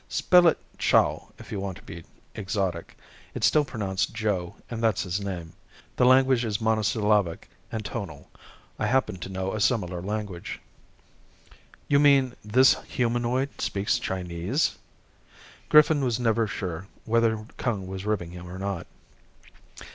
"Spell it Chou if you want to be exotic. It's still pronounced Joe and that's his name. The language is monosyllabic and tonal. I happen to know a similar language." "You mean this humanoid speaks Chinese?" Griffin was never sure whether Kung was ribbing him or not.